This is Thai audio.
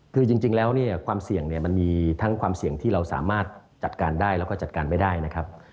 คือจริงแล้วเนี่ยความเสี่ยงเนี่ยมันมีทั้งความเสี่ยงที่เราสามารถจัดการได้แล้วก็จัดการไม่ได้นะครับ